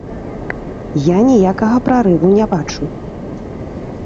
Я ніякага прарыву не бачу.